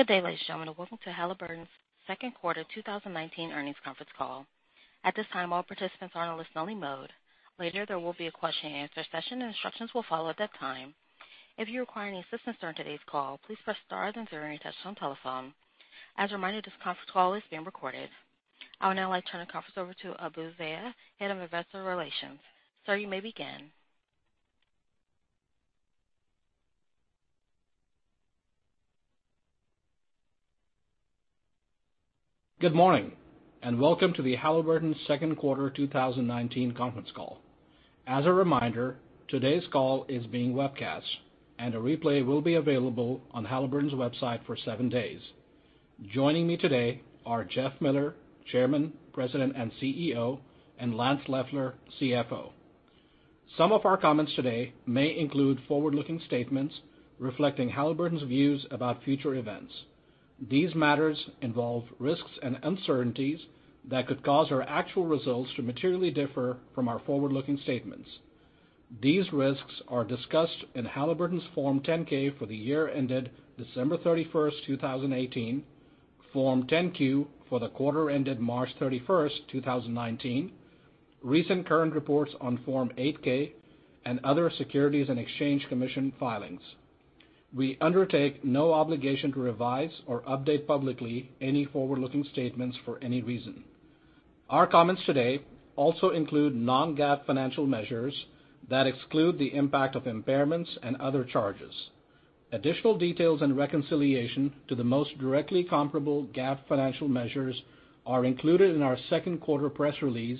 Good day, ladies and gentlemen. Welcome to Halliburton's Second Quarter 2019 Earnings Conference Call. At this time, all participants are in a listening mode. Later, there will be a question and answer session, and instructions will follow at that time. If you require any assistance during today's call, please press star then zero on your touch-tone telephone. As a reminder, this conference call is being recorded. I would now like to turn the conference over to Abu Zeya, Head of Investor Relations. Sir, you may begin. Good morning, and welcome to the Halliburton second quarter 2019 conference call. As a reminder, today's call is being webcast, and a replay will be available on Halliburton's website for seven days. Joining me today are Jeff Miller, Chairman, President, and CEO, and Lance Loeffler, CFO. Some of our comments today may include forward-looking statements reflecting Halliburton's views about future events. These matters involve risks and uncertainties that could cause our actual results to materially differ from our forward-looking statements. These risks are discussed in Halliburton's Form 10-K for the year ended December 31st, 2018, Form 10-Q for the quarter ended March 31st, 2019, recent current reports on Form 8-K, and other Securities and Exchange Commission filings. We undertake no obligation to revise or update publicly any forward-looking statements for any reason. Our comments today also include non-GAAP financial measures that exclude the impact of impairments and other charges. Additional details and reconciliation to the most directly comparable GAAP financial measures are included in our second quarter press release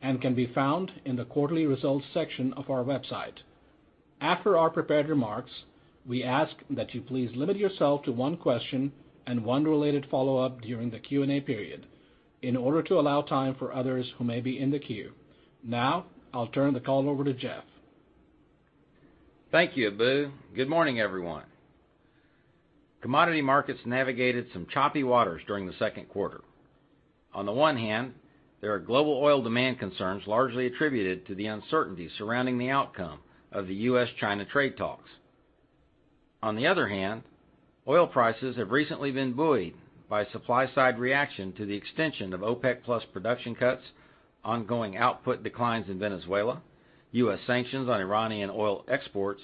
and can be found in the quarterly results section of our website. After our prepared remarks, we ask that you please limit yourself to one question and one related follow-up during the Q&A period in order to allow time for others who may be in the queue. Now, I'll turn the call over to Jeff. Thank you, Abu. Good morning, everyone. Commodity markets navigated some choppy waters during the second quarter. On the one hand, there are global oil demand concerns largely attributed to the uncertainty surrounding the outcome of the U.S.-China trade talks. On the other hand, oil prices have recently been buoyed by supply-side reaction to the extension of OPEC+ production cuts, ongoing output declines in Venezuela, U.S. sanctions on Iranian oil exports,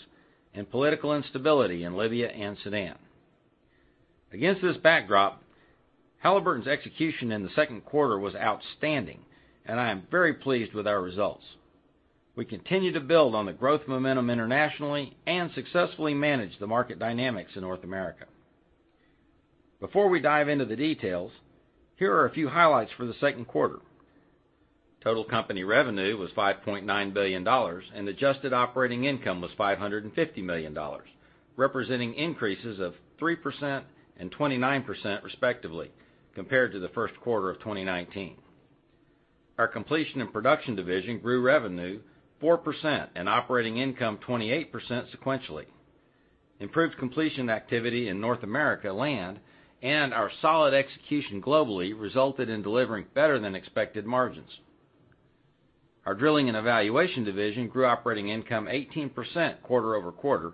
and political instability in Libya and Sudan. Against this backdrop, Halliburton's execution in the second quarter was outstanding, and I am very pleased with our results. We continue to build on the growth momentum internationally and successfully manage the market dynamics in North America. Before we dive into the details, here are a few highlights for the second quarter. Total company revenue was $5.9 billion, adjusted operating income was $550 million, representing increases of 3% and 29% respectively compared to the first quarter of 2019. Our Completion and Production division grew revenue 4% and operating income 28% sequentially. Improved completion activity in North America land our solid execution globally resulted in delivering better than expected margins. Our Drilling and Evaluation division grew operating income 18% quarter-over-quarter,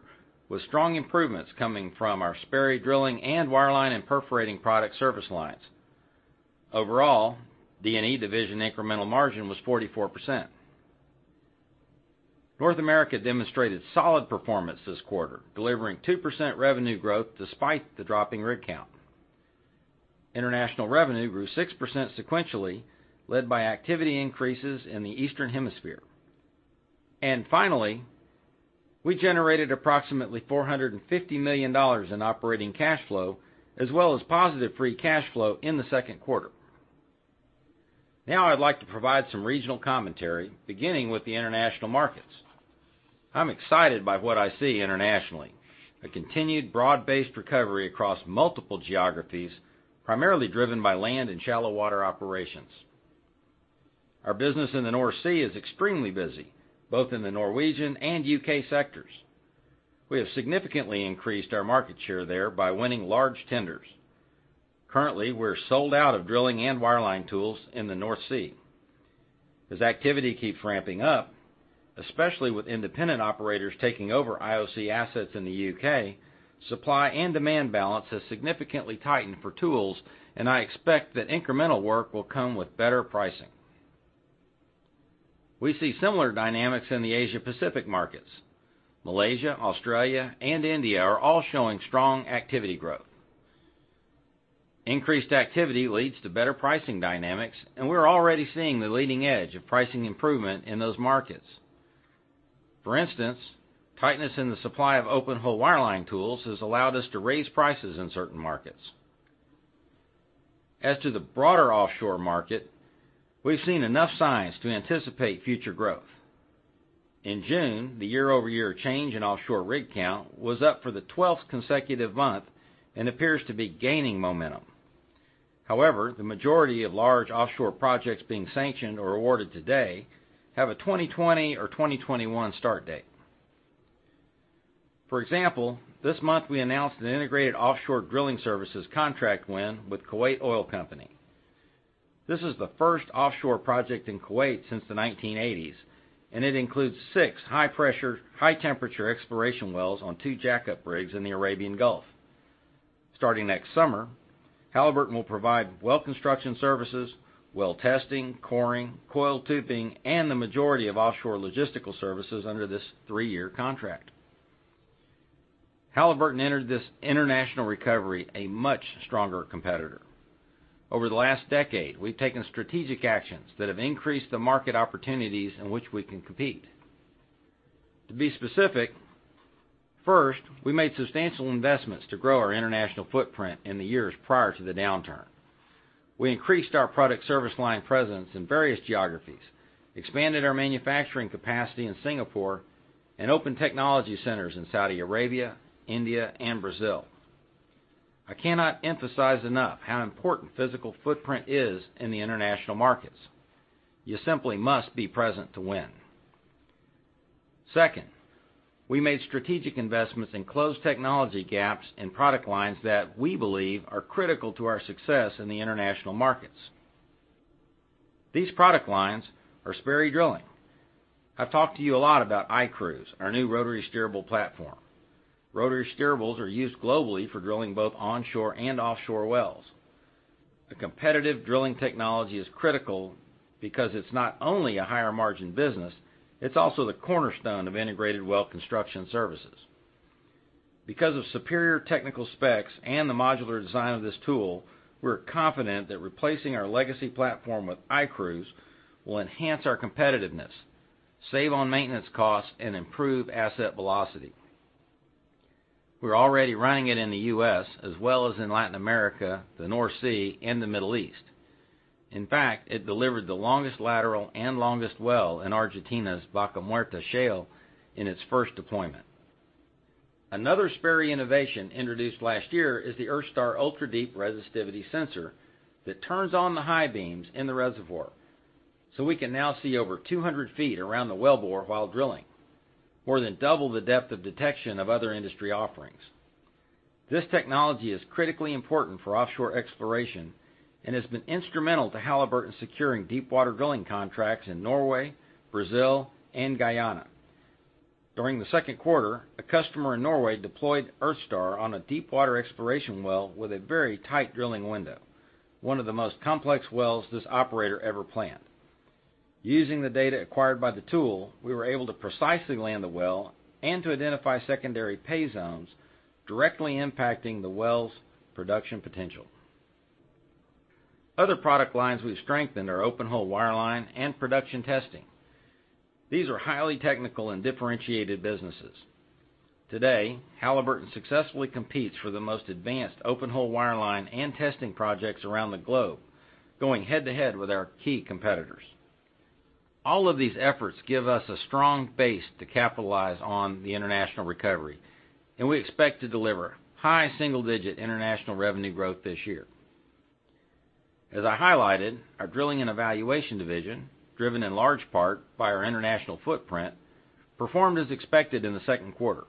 with strong improvements coming from our Sperry Drilling and wireline and perforating product service lines. Overall, D&E division incremental margin was 44%. North America demonstrated solid performance this quarter, delivering 2% revenue growth despite the dropping rig count. International revenue grew 6% sequentially, led by activity increases in the Eastern Hemisphere. Finally, we generated approximately $450 million in operating cash flow, as well as positive free cash flow in the second quarter. Now I'd like to provide some regional commentary, beginning with the international markets. I'm excited by what I see internationally, a continued broad-based recovery across multiple geographies, primarily driven by land and shallow water operations. Our business in the North Sea is extremely busy, both in the Norwegian and U.K. sectors. We have significantly increased our market share there by winning large tenders. Currently, we're sold out of drilling and wireline tools in the North Sea. As activity keeps ramping up, especially with independent operators taking over IOC assets in the U.K., supply and demand balance has significantly tightened for tools, and I expect that incremental work will come with better pricing. We see similar dynamics in the Asia Pacific markets. Malaysia, Australia, and India are all showing strong activity growth. Increased activity leads to better pricing dynamics, and we're already seeing the leading edge of pricing improvement in those markets. For instance, tightness in the supply of open hole wireline tools has allowed us to raise prices in certain markets. As to the broader offshore market, we've seen enough signs to anticipate future growth. In June, the year-over-year change in offshore rig count was up for the 12th consecutive month and appears to be gaining momentum. However, the majority of large offshore projects being sanctioned or awarded today have a 2020 or 2021 start date. For example, this month we announced an integrated offshore drilling services contract win with Kuwait Oil Company. This is the first offshore project in Kuwait since the 1980s, and it includes six high-pressure, high-temperature exploration wells on two jackup rigs in the Arabian Gulf. Starting next summer, Halliburton will provide well construction services, well testing, coring, coil tubing, and the majority of offshore logistical services under this three-year contract. Halliburton entered this international recovery a much stronger competitor. Over the last decade, we've taken strategic actions that have increased the market opportunities in which we can compete. To be specific, first, we made substantial investments to grow our international footprint in the years prior to the downturn. We increased our product service line presence in various geographies, expanded our manufacturing capacity in Singapore, and opened technology centers in Saudi Arabia, India, and Brazil. I cannot emphasize enough how important physical footprint is in the international markets. You simply must be present to win. Second, we made strategic investments and closed technology gaps in product lines that we believe are critical to our success in the international markets. These product lines are Sperry Drilling. I've talked to you a lot about iCruise, our new rotary steerable platform. Rotary steerables are used globally for drilling both onshore and offshore wells. A competitive drilling technology is critical because it's not only a higher margin business, it's also the cornerstone of integrated well construction services. Because of superior technical specs and the modular design of this tool, we're confident that replacing our legacy platform with iCruise will enhance our competitiveness, save on maintenance costs, and improve asset velocity. We're already running it in the U.S. as well as in Latin America, the North Sea, and the Middle East. In fact, it delivered the longest lateral and longest well in Argentina's Vaca Muerta Shale in its first deployment. Another Sperry innovation introduced last year is the EarthStar ultra-deep resistivity sensor that turns on the high beams in the reservoir, so we can now see over 200 feet around the wellbore while drilling. More than double the depth of detection of other industry offerings. This technology is critically important for offshore exploration and has been instrumental to Halliburton securing deepwater drilling contracts in Norway, Brazil, and Guyana. During the second quarter, a customer in Norway deployed EarthStar on a deepwater exploration well with a very tight drilling window, one of the most complex wells this operator ever planned. Using the data acquired by the tool, we were able to precisely land the well and to identify secondary pay zones directly impacting the well's production potential. Other product lines we've strengthened are open hole wireline and production testing. These are highly technical and differentiated businesses. Today, Halliburton successfully competes for the most advanced open hole wireline and testing projects around the globe, going head-to-head with our key competitors. All of these efforts give us a strong base to capitalize on the international recovery, and we expect to deliver high single-digit international revenue growth this year. As I highlighted, our Drilling and Evaluation division, driven in large part by our international footprint, performed as expected in the second quarter.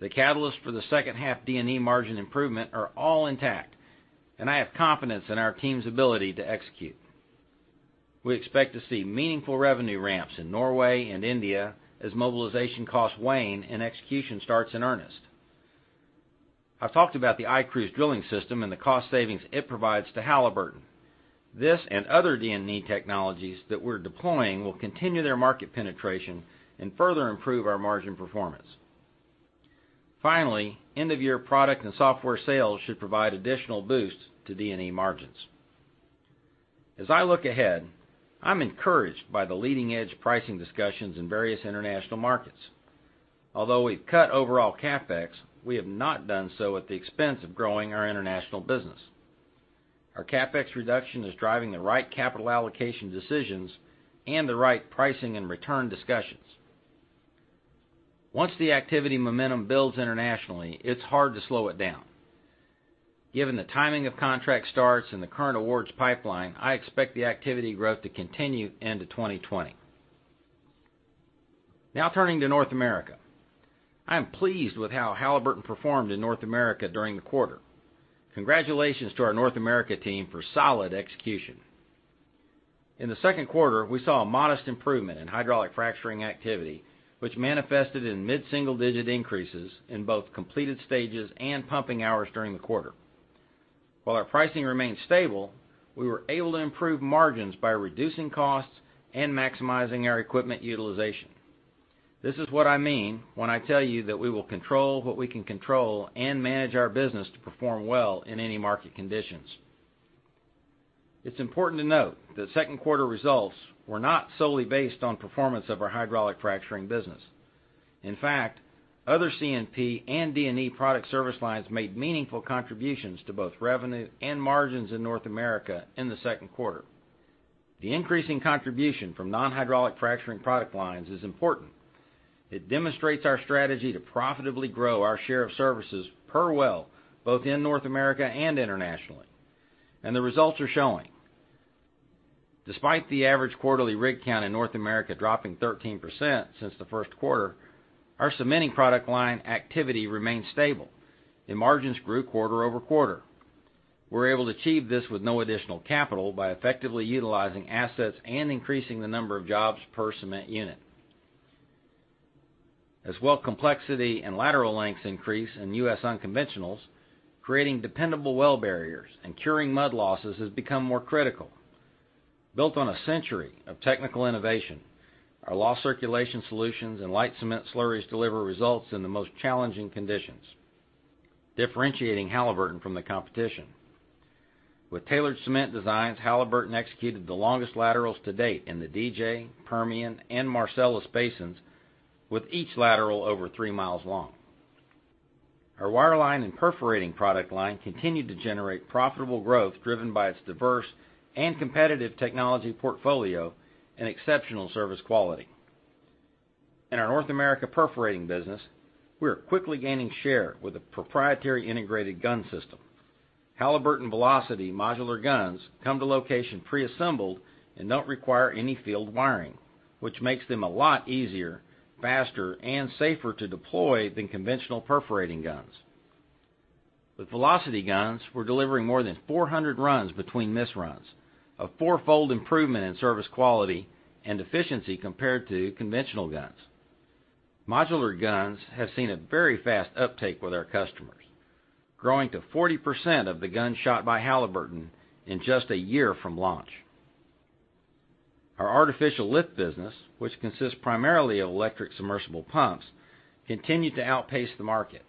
The catalyst for the second half D&E margin improvement are all intact, and I have confidence in our team's ability to execute. We expect to see meaningful revenue ramps in Norway and India as mobilization costs wane and execution starts in earnest. I've talked about the iCruise drilling system and the cost savings it provides to Halliburton. This and other D&E technologies that we're deploying will continue their market penetration and further improve our margin performance. Finally, end-of-year product and software sales should provide additional boosts to D&E margins. As I look ahead, I’m encouraged by the leading edge pricing discussions in various international markets. Although we've cut overall CapEx, we have not done so at the expense of growing our international business. Our CapEx reduction is driving the right capital allocation decisions and the right pricing and return discussions. Once the activity momentum builds internationally, it's hard to slow it down. Given the timing of contract starts and the current awards pipeline, I expect the activity growth to continue into 2020. Now, turning to North America. I am pleased with how Halliburton performed in North America during the quarter. Congratulations to our North America team for solid execution. In the second quarter, we saw a modest improvement in hydraulic fracturing activity, which manifested in mid-single digit increases in both completed stages and pumping hours during the quarter. While our pricing remained stable, we were able to improve margins by reducing costs and maximizing our equipment utilization. This is what I mean when I tell you that we will control what we can control and manage our business to perform well in any market conditions. It's important to note that second quarter results were not solely based on performance of our hydraulic fracturing business. In fact, other C&P and D&E Product Service lines made meaningful contributions to both revenue and margins in North America in the second quarter. The increasing contribution from non-hydraulic fracturing product lines is important. It demonstrates our strategy to profitably grow our share of services per well, both in North America and internationally. The results are showing. Despite the average quarterly rig count in North America dropping 13% since the first quarter, our cementing product line activity remains stable, and margins grew quarter-over-quarter. We're able to achieve this with no additional capital by effectively utilizing assets and increasing the number of jobs per cement unit. As well, complexity and lateral lengths increase in U.S. unconventionals, creating dependable well barriers and curing mud losses has become more critical. Built on a century of technical innovation, our loss circulation solutions and light cement slurries deliver results in the most challenging conditions, differentiating Halliburton from the competition. With tailored cement designs, Halliburton executed the longest laterals to date in the DJ, Permian, and Marcellus basins, with each lateral over three miles long. Our wireline and perforating product line continued to generate profitable growth driven by its diverse and competitive technology portfolio and exceptional service quality. In our North America perforating business, we are quickly gaining share with a proprietary integrated gun system. Halliburton Velocity modular guns come to location preassembled and don't require any field wiring, which makes them a lot easier, faster, and safer to deploy than conventional perforating guns. With Velocity guns, we're delivering more than 400 runs between misruns, a four-fold improvement in service quality and efficiency compared to conventional guns. Modular guns have seen a very fast uptake with our customers, growing to 40% of the guns shot by Halliburton in just a year from launch. Our artificial lift business, which consists primarily of electric submersible pumps, continued to outpace the market.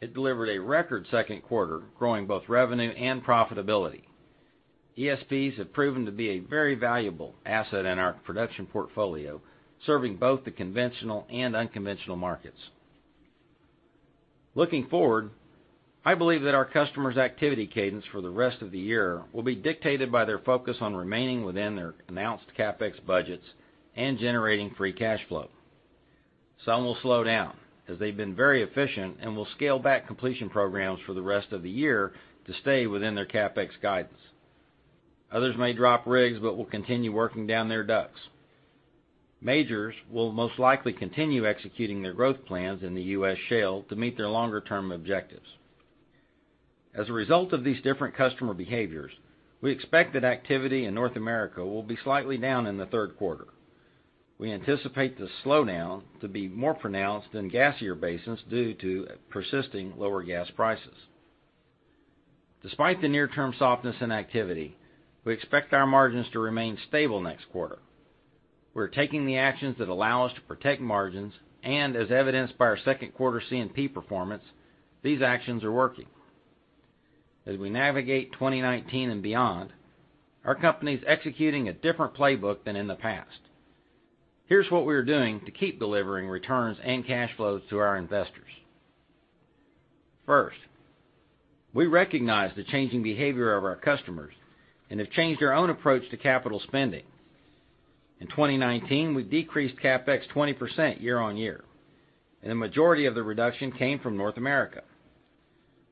It delivered a record second quarter, growing both revenue and profitability. ESPs have proven to be a very valuable asset in our production portfolio, serving both the conventional and unconventional markets. Looking forward, I believe that our customers' activity cadence for the rest of the year will be dictated by their focus on remaining within their announced CapEx budgets and generating free cash flow. Some will slow down as they've been very efficient and will scale back completion programs for the rest of the year to stay within their CapEx guidance. Others may drop rigs but will continue working down their DUCs. Majors will most likely continue executing their growth plans in the U.S. shale to meet their longer-term objectives. As a result of these different customer behaviors, we expect that activity in North America will be slightly down in the third quarter. We anticipate the slowdown to be more pronounced in gassier basins due to persisting lower gas prices. Despite the near-term softness and activity, we expect our margins to remain stable next quarter. We're taking the actions that allow us to protect margins, and as evidenced by our second quarter C&P performance, these actions are working. As we navigate 2019 and beyond, our company's executing a different playbook than in the past. Here's what we are doing to keep delivering returns and cash flows to our investors. First, we recognize the changing behavior of our customers and have changed our own approach to capital spending. In 2019, we decreased CapEx 20% year-on-year, and the majority of the reduction came from North America.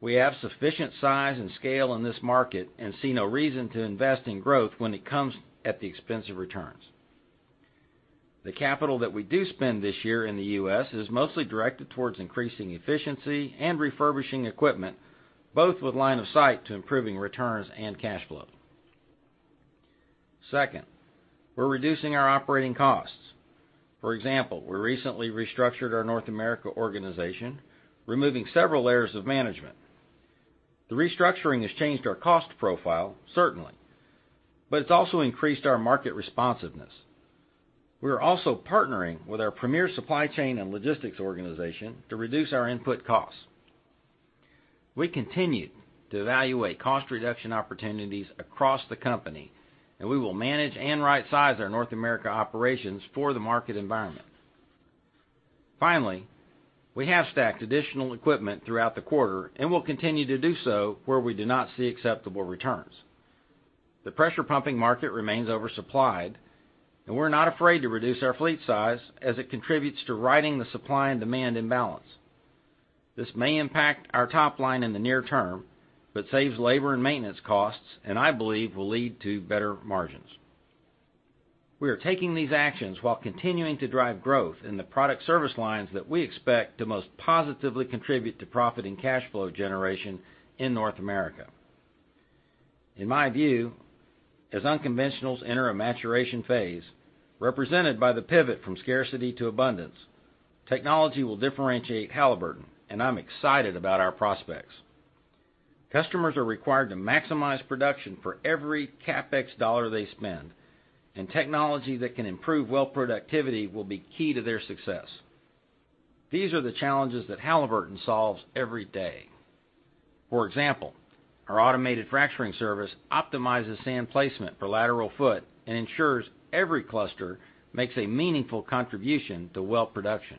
We have sufficient size and scale in this market and see no reason to invest in growth when it comes at the expense of returns. The capital that we do spend this year in the U.S. is mostly directed towards increasing efficiency and refurbishing equipment, both with line of sight to improving returns and cash flow. Second, we're reducing our operating costs. For example, we recently restructured our North America organization, removing several layers of management. The restructuring has changed our cost profile, certainly, but it's also increased our market responsiveness. We are also partnering with our premier supply chain and logistics organization to reduce our input costs. We continue to evaluate cost reduction opportunities across the company, and we will manage and rightsize our North America operations for the market environment. Finally, we have stacked additional equipment throughout the quarter and will continue to do so where we do not see acceptable returns. The pressure pumping market remains oversupplied, and we're not afraid to reduce our fleet size as it contributes to righting the supply and demand imbalance. This may impact our top line in the near term, but saves labor and maintenance costs and I believe will lead to better margins. We are taking these actions while continuing to drive growth in the product service lines that we expect to most positively contribute to profit and cash flow generation in North America. In my view, as unconventionals enter a maturation phase represented by the pivot from scarcity to abundance, technology will differentiate Halliburton, and I'm excited about our prospects. Customers are required to maximize production for every CapEx dollar they spend, and technology that can improve well productivity will be key to their success. These are the challenges that Halliburton solves every day. For example, our automated fracturing service optimizes sand placement per lateral foot and ensures every cluster makes a meaningful contribution to well production.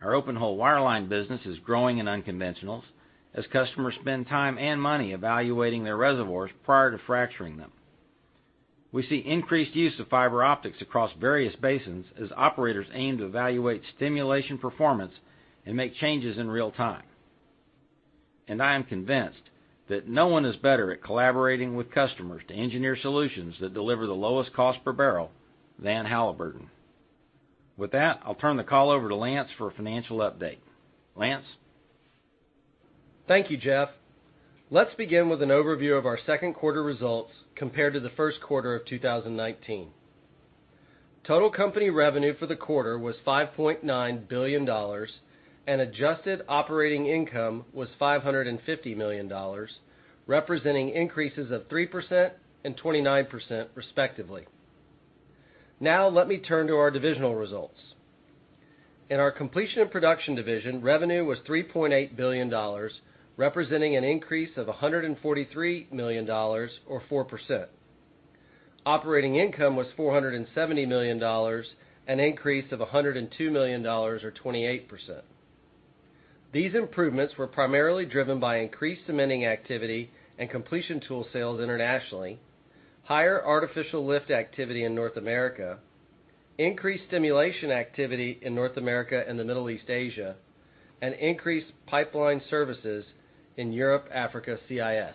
Our open hole wireline business is growing in unconventionals as customers spend time and money evaluating their reservoirs prior to fracturing them. We see increased use of fiber optics across various basins as operators aim to evaluate stimulation performance and make changes in real time. I am convinced that no one is better at collaborating with customers to engineer solutions that deliver the lowest cost per barrel than Halliburton. With that, I'll turn the call over to Lance for a financial update. Lance? Thank you, Jeff. Let's begin with an overview of our second quarter results compared to the first quarter of 2019. Total company revenue for the quarter was $5.9 billion, and adjusted operating income was $550 million, representing increases of 3% and 29%, respectively. Let me turn to our divisional results. In our Completion and Production division, revenue was $3.8 billion, representing an increase of $143 million, or 4%. Operating income was $470 million, an increase of $102 million, or 28%. These improvements were primarily driven by increased cementing activity and completion tool sales internationally, higher artificial lift activity in North America, increased stimulation activity in North America and the Middle East/Asia, and increased pipeline services in Europe, Africa, CIS.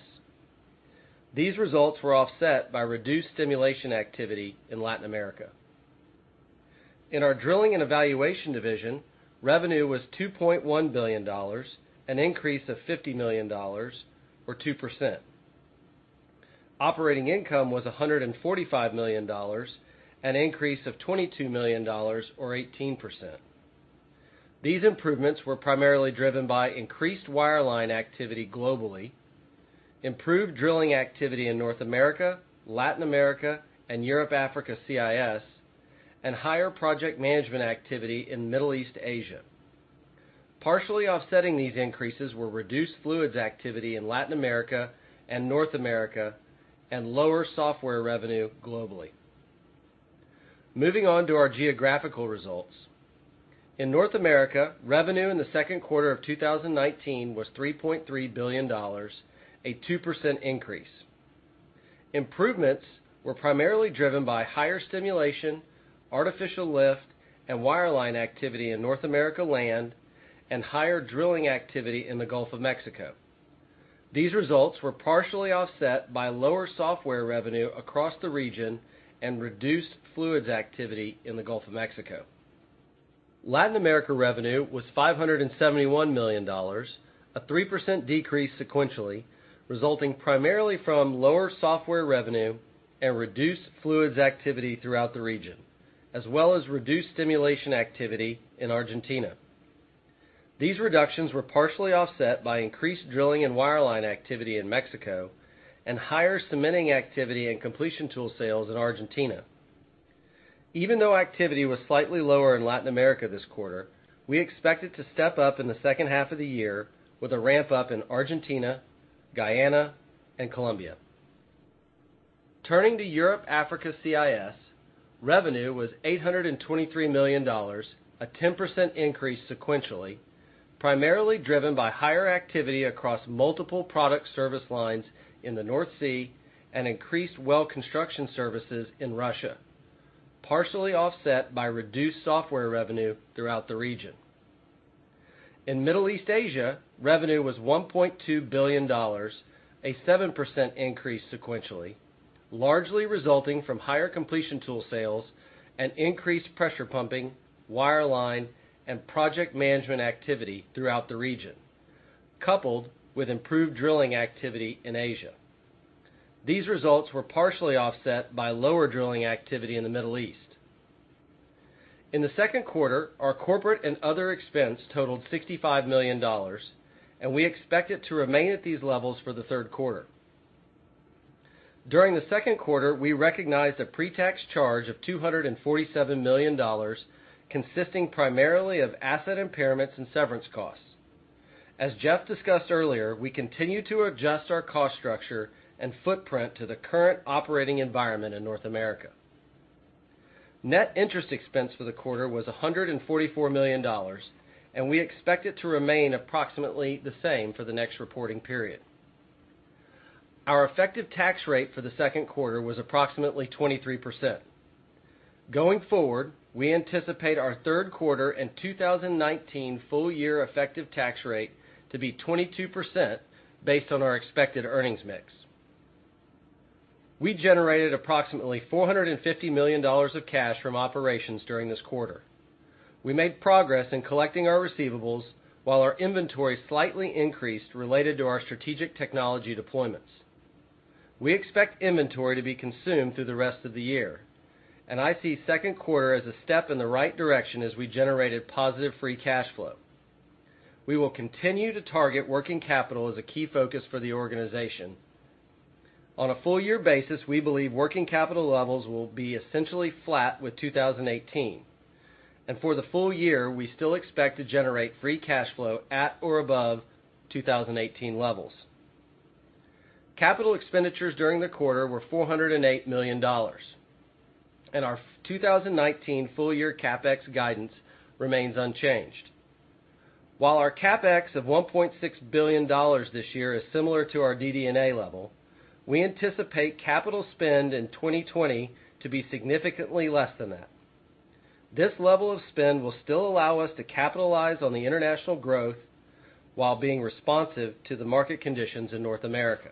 These results were offset by reduced stimulation activity in Latin America. In our Drilling and Evaluation division, revenue was $2.1 billion, an increase of $50 million, or 2%. Operating income was $145 million, an increase of $22 million, or 18%. These improvements were primarily driven by increased wireline activity globally, improved drilling activity in North America, Latin America, and Europe, Africa, CIS, and higher project management activity in Middle East/Asia. Partially offsetting these increases were reduced fluids activity in Latin America and North America, and lower software revenue globally. Moving on to our geographical results. In North America, revenue in the second quarter of 2019 was $3.3 billion, a 2% increase. Improvements were primarily driven by higher stimulation, artificial lift, and wireline activity in North America land and higher drilling activity in the Gulf of Mexico. These results were partially offset by lower software revenue across the region and reduced fluids activity in the Gulf of Mexico. Latin America revenue was $571 million, a 3% decrease sequentially, resulting primarily from lower software revenue and reduced fluids activity throughout the region, as well as reduced stimulation activity in Argentina. These reductions were partially offset by increased drilling and wireline activity in Mexico and higher cementing activity and completion tool sales in Argentina. Even though activity was slightly lower in Latin America this quarter, we expect it to step up in the second half of the year with a ramp-up in Argentina, Guyana, and Colombia. Turning to Europe, Africa, CIS, revenue was $823 million, a 10% increase sequentially, primarily driven by higher activity across multiple product service lines in the North Sea and increased well construction services in Russia, partially offset by reduced software revenue throughout the region. In Middle East/Asia, revenue was $1.2 billion, a 7% increase sequentially, largely resulting from higher completion tool sales and increased pressure pumping, wireline, and project management activity throughout the region, coupled with improved drilling activity in Asia. These results were partially offset by lower drilling activity in the Middle East. In the second quarter, our corporate and other expense totaled $65 million, and we expect it to remain at these levels for the third quarter. During the second quarter, we recognized a pre-tax charge of $247 million, consisting primarily of asset impairments and severance costs. As Jeff discussed earlier, we continue to adjust our cost structure and footprint to the current operating environment in North America. Net interest expense for the quarter was $144 million, and we expect it to remain approximately the same for the next reporting period. Our effective tax rate for the second quarter was approximately 23%. Going forward, we anticipate our third quarter and 2019 full year effective tax rate to be 22% based on our expected earnings mix. We generated approximately $450 million of cash from operations during this quarter. We made progress in collecting our receivables while our inventory slightly increased related to our strategic technology deployments. We expect inventory to be consumed through the rest of the year, I see second quarter as a step in the right direction as we generated positive free cash flow. We will continue to target working capital as a key focus for the organization. On a full year basis, we believe working capital levels will be essentially flat with 2018. For the full year, we still expect to generate free cash flow at or above 2018 levels. Capital expenditures during the quarter were $408 million. Our 2019 full year CapEx guidance remains unchanged. While our CapEx of $1.6 billion this year is similar to our DD&A level, we anticipate capital spend in 2020 to be significantly less than that. This level of spend will still allow us to capitalize on the international growth while being responsive to the market conditions in North America.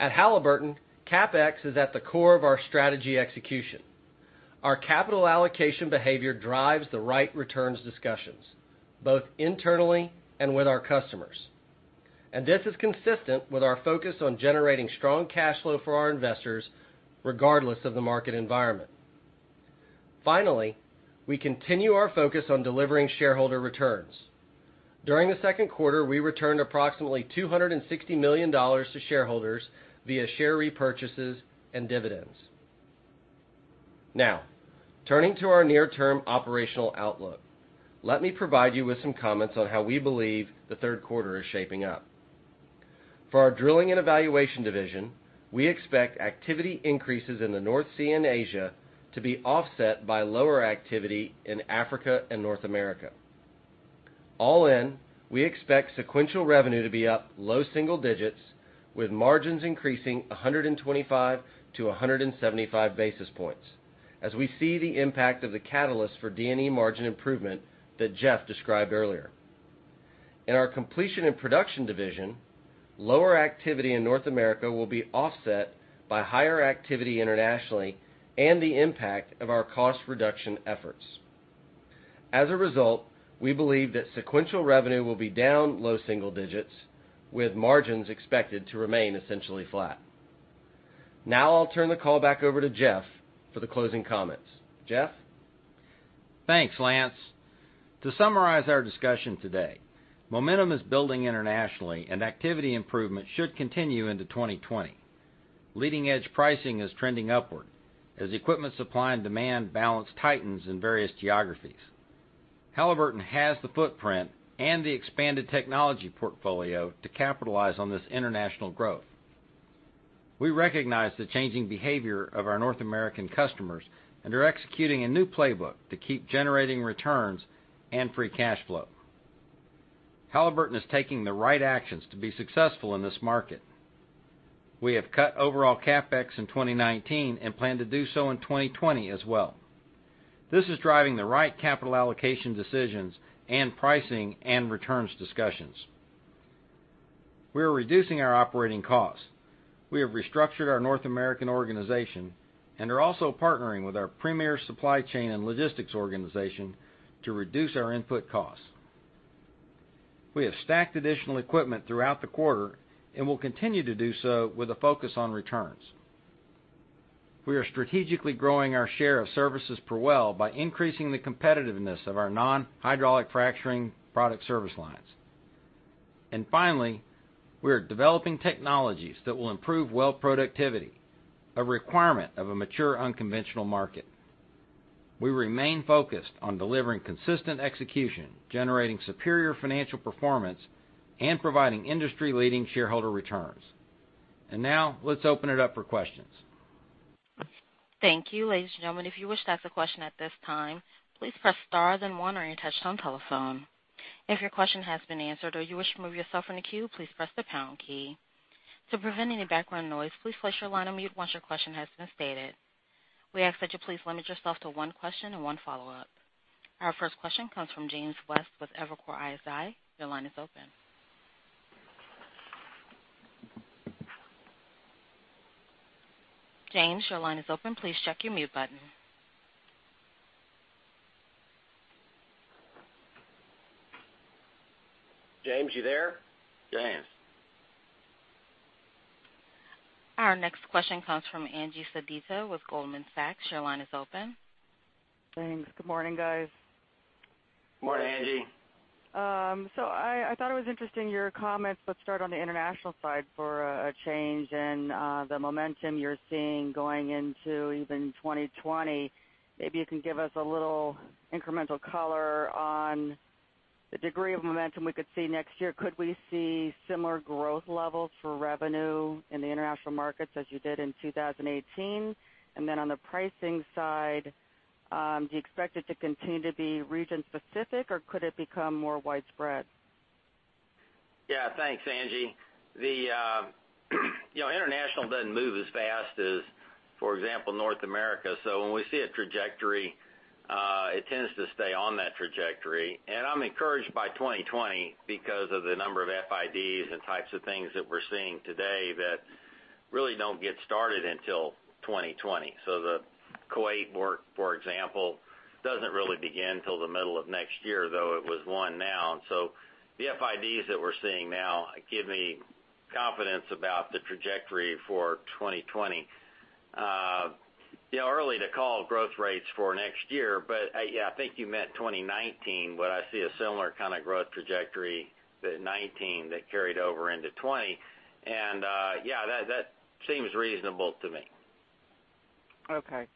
At Halliburton, CapEx is at the core of our strategy execution. Our capital allocation behavior drives the right returns discussions, both internally and with our customers. This is consistent with our focus on generating strong cash flow for our investors, regardless of the market environment. Finally, we continue our focus on delivering shareholder returns. During the second quarter, we returned approximately $260 million to shareholders via share repurchases and dividends. Now, turning to our near-term operational outlook, let me provide you with some comments on how we believe the third quarter is shaping up. For our Drilling and Evaluation division, we expect activity increases in the North Sea and Asia to be offset by lower activity in Africa and North America. All in, we expect sequential revenue to be up low single digits, with margins increasing 125 to 175 basis points as we see the impact of the catalyst for D&E margin improvement that Jeff described earlier. In our Completion and Production division, lower activity in North America will be offset by higher activity internationally and the impact of our cost reduction efforts. As a result, we believe that sequential revenue will be down low single digits, with margins expected to remain essentially flat. Now, I'll turn the call back over to Jeff for the closing comments. Jeff? Thanks, Lance. To summarize our discussion today, momentum is building internationally and activity improvement should continue into 2020. Leading edge pricing is trending upward as equipment supply and demand balance tightens in various geographies. Halliburton has the footprint and the expanded technology portfolio to capitalize on this international growth. We recognize the changing behavior of our North American customers and are executing a new playbook to keep generating returns and free cash flow. Halliburton is taking the right actions to be successful in this market. We have cut overall CapEx in 2019 and plan to do so in 2020 as well. This is driving the right capital allocation decisions and pricing and returns discussions. We are reducing our operating costs. We have restructured our North American organization and are also partnering with our premier supply chain and logistics organization to reduce our input costs. We have stacked additional equipment throughout the quarter and will continue to do so with a focus on returns. We are strategically growing our share of services per well by increasing the competitiveness of our non-hydraulic fracturing product service lines. Finally, we are developing technologies that will improve well productivity, a requirement of a mature unconventional market. We remain focused on delivering consistent execution, generating superior financial performance, and providing industry-leading shareholder returns. Now let's open it up for questions. Thank you. Ladies and gentlemen, if you wish to ask a question at this time, please press star then one on your touchtone telephone. If your question has been answered or you wish to remove yourself from the queue, please press the pound key. To prevent any background noise, please place your line on mute once your question has been stated. We ask that you please limit yourself to one question and one follow-up. Our first question comes from James West with Evercore ISI. Your line is open. James, your line is open. Please check your mute button. James, you there? James? Our next question comes from Angie Sedita with Goldman Sachs. Your line is open. Thanks. Good morning, guys. Morning, Angie. I thought it was interesting, your comments, let's start on the international side for a change and the momentum you're seeing going into even 2020. Maybe you can give us a little incremental color on the degree of momentum we could see next year. Could we see similar growth levels for revenue in the international markets as you did in 2018? Then on the pricing side, do you expect it to continue to be region specific, or could it become more widespread? Yeah. Thanks, Angie. International doesn't move as fast as, for example, North America. When we see a trajectory, it tends to stay on that trajectory. I'm encouraged by 2020 because of the number of FIDs and types of things that we're seeing today that really don't get started until 2020. The Kuwait work, for example, doesn't really begin till the middle of next year, though it was won now. The FIDs that we're seeing now give me confidence about the trajectory for 2020. Early to call growth rates for next year, I think you meant 2019. Would I see a similar kind of growth trajectory that 2019 that carried over into 2020? Yeah, that seems reasonable to me. Okay.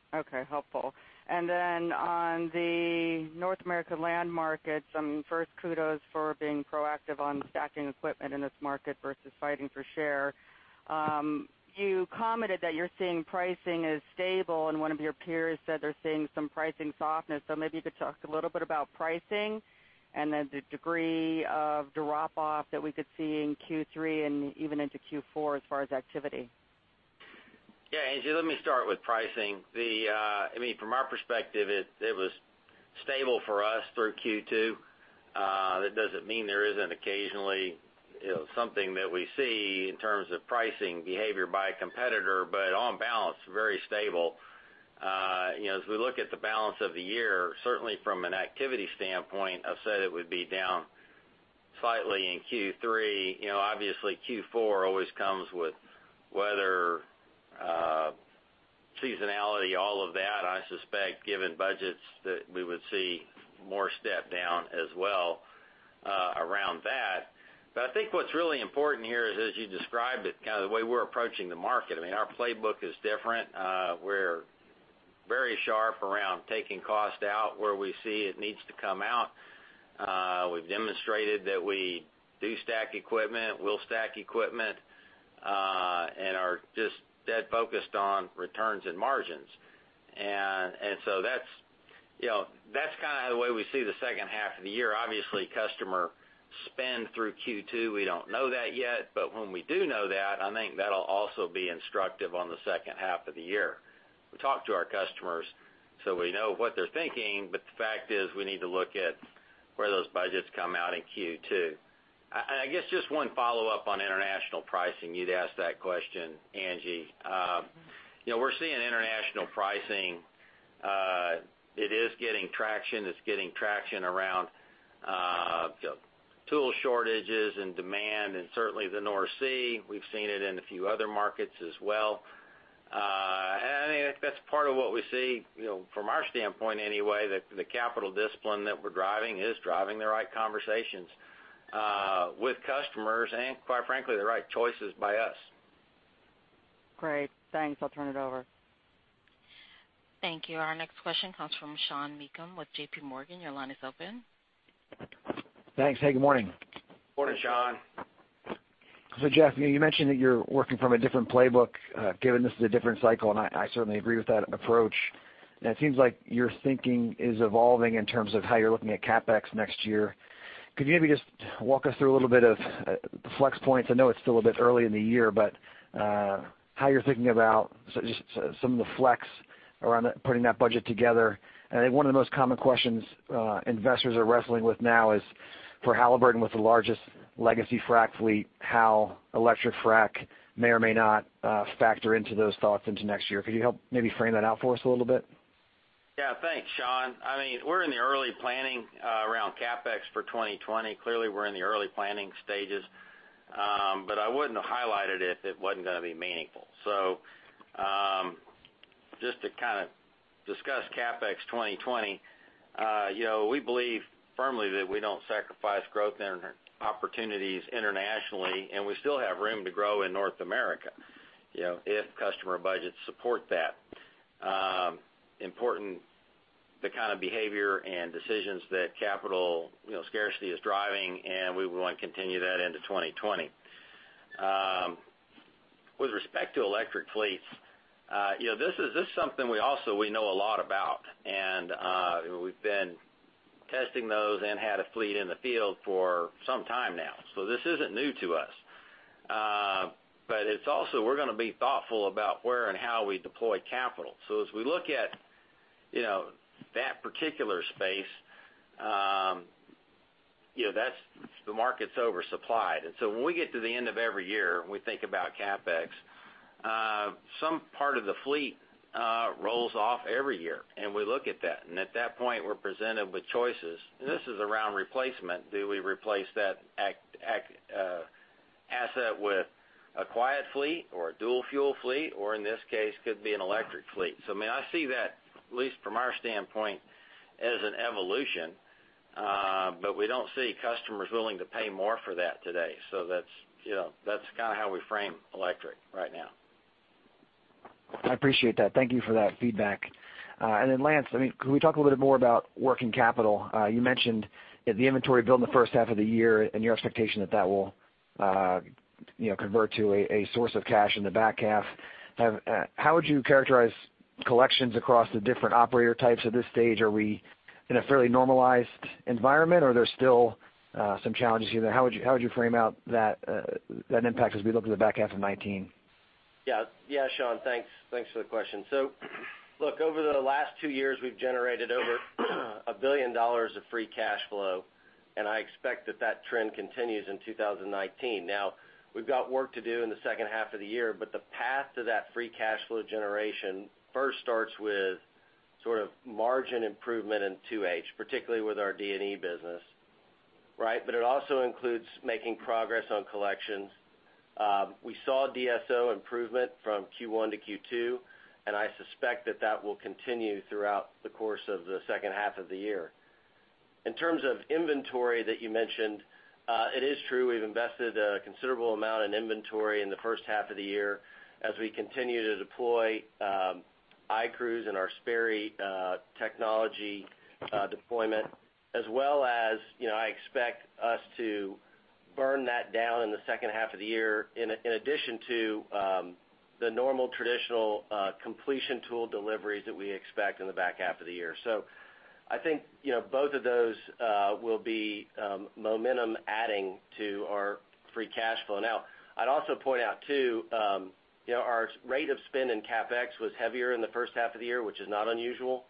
Helpful. On the North American land market, first kudos for being proactive on stacking equipment in this market versus fighting for share. You commented that you're seeing pricing as stable, and one of your peers said they're seeing some pricing softness. Maybe you could talk a little bit about pricing and then the degree of drop-off that we could see in Q3 and even into Q4 as far as activity? Yeah, Angie, let me start with pricing. From our perspective, it was stable for us through Q2. That doesn't mean there isn't occasionally something that we see in terms of pricing behavior by a competitor, but on balance, very stable. As we look at the balance of the year, certainly from an activity standpoint, I've said it would be down slightly in Q3. Obviously Q4 always comes with weather, seasonality, all of that. I suspect given budgets that we would see more step down as well around that. I think what's really important here is, as you described it, kind of the way we're approaching the market. Our playbook is different. We're very sharp around taking cost out where we see it needs to come out. We've demonstrated that we do stack equipment, will stack equipment, and are just dead focused on returns and margins. That's kind of the way we see the second half of the year. Obviously, customer spend through Q2, we don't know that yet. When we do know that, I think that'll also be instructive on the second half of the year. We talk to our customers so we know what they're thinking, but the fact is we need to look at where those budgets come out in Q2. I guess just one follow-up on international pricing. You'd asked that question, Angie. We're seeing international pricing. It is getting traction. It's getting traction around tool shortages and demand, and certainly the North Sea. We've seen it in a few other markets as well. I think that's part of what we see, from our standpoint anyway, that the capital discipline that we're driving is driving the right conversations with customers and quite frankly, the right choices by us. Great. Thanks. I'll turn it over. Thank you. Our next question comes from Sean Meakim with JPMorgan. Your line is open. Thanks. Hey, good morning. Morning, Sean. Jeff, you mentioned that you're working from a different playbook, given this is a different cycle, I certainly agree with that approach. It seems like your thinking is evolving in terms of how you're looking at CapEx next year. Could you maybe just walk us through a little bit of the flex points? I know it's still a bit early in the year, how you're thinking about just some of the flex around putting that budget together. I think one of the most common questions investors are wrestling with now is for Halliburton with the largest legacy frac fleet, how electric frac may or may not factor into those thoughts into next year. Could you help maybe frame that out for us a little bit? Thanks, Sean. We're in the early planning around CapEx for 2020. Clearly, we're in the early planning stages. I wouldn't have highlighted it if it wasn't going to be meaningful. Just to kind of discuss CapEx 2020, we believe firmly that we don't sacrifice growth and opportunities internationally, and we still have room to grow in North America if customer budgets support that. Important, the kind of behavior and decisions that capital scarcity is driving, and we want to continue that into 2020. With respect to electric fleets, this is something we also know a lot about. We've been testing those and had a fleet in the field for some time now. This isn't new to us. It's also we're going to be thoughtful about where and how we deploy capital. As we look at that particular space, the market is oversupplied. When we get to the end of every year and we think about CapEx, some part of the fleet rolls off every year and we look at that. At that point, we're presented with choices. This is around replacement. Do we replace that asset with a quiet fleet or a dual-fuel fleet, or in this case, could be an electric fleet? I see that, at least from our standpoint, as an evolution. We don't see customers willing to pay more for that today. That's kind of how we frame electric right now. I appreciate that. Thank you for that feedback. Lance, can we talk a little bit more about working capital? You mentioned the inventory build in the first half of the year and your expectation that that will convert to a source of cash in the back half. How would you characterize collections across the different operator types at this stage? Are we in a fairly normalized environment, or are there still some challenges here? How would you frame out that impact as we look at the back half of 2019? Yeah. Sean, thanks for the question. Look, over the last two years, we've generated over $1 billion of free cash flow, and I expect that that trend continues in 2019. Now we've got work to do in the second half of the year, but the path to that free cash flow generation first starts with sort of margin improvement in 2H, particularly with our D&E business. It also includes making progress on collections. We saw DSO improvement from Q1 to Q2, and I suspect that that will continue throughout the course of the second half of the year. In terms of inventory that you mentioned, it is true we've invested a considerable amount in inventory in the first half of the year as we continue to deploy iCruise and our Sperry technology deployment as well as I expect us to burn that down in the second half of the year in addition to the normal traditional completion tool deliveries that we expect in the back half of the year. I think both of those will be momentum adding to our free cash flow. I'd also point out too, our rate of spend in CapEx was heavier in the first half of the year, which is not unusual.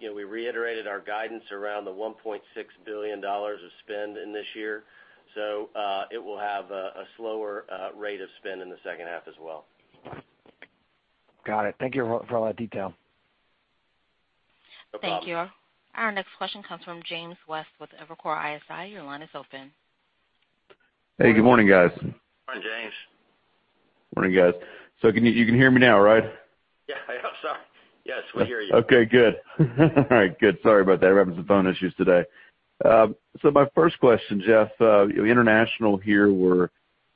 We reiterated our guidance around the $1.6 billion of spend in this year. It will have a slower rate of spend in the second half as well. Got it. Thank you for all that detail. No problem. Thank you. Our next question comes from James West with Evercore ISI. Your line is open. Hey, good morning, guys. Morning, James. Morning, guys. You can hear me now, right? Yeah. I'm sorry. Yes, we hear you. Okay, good. All right, good. Sorry about that. I'm having some phone issues today. My first question, Jeff, international here, we're